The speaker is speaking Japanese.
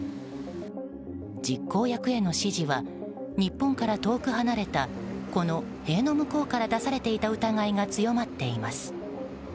実行役への指示は日本から遠く離れたこの塀の向こうから出されていた疑いが強まっています。